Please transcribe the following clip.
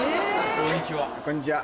こんにちは。